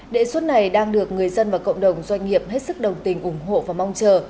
đề xuất này đang được người dân và cộng đồng doanh nghiệp hết sức đồng tình ủng hộ và mong chờ